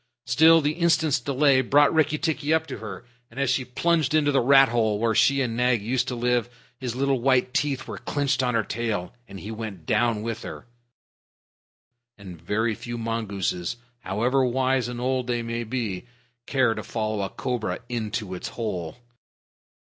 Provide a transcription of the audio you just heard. Still, the instant's delay brought Rikki tikki up to her, and as she plunged into the rat hole where she and Nag used to live, his little white teeth were clenched on her tail, and he went down with her and very few mongooses, however wise and old they may be, care to follow a cobra into its hole.